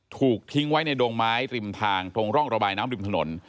ถูกทิ้งไว้ในดงไม้ริมทางตรงร่องระบายน้ำริมถนน